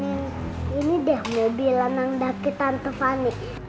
ini dah mobilan yang dah kita tunjuk